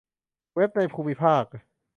เว็บในภูมิภาค